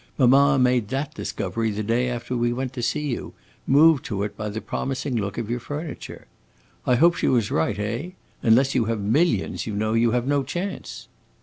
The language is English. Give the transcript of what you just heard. Mamma made that discovery the day after we went to see you, moved to it by the promising look of your furniture. I hope she was right, eh? Unless you have millions, you know, you have no chance."